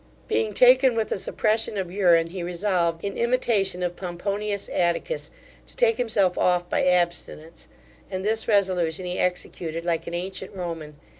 Being taken with a suppression of urine, he resolved, in imitation of Pomponius Atticus, to take himself off by abstinence; and this resolution he executed like an ancient Roman.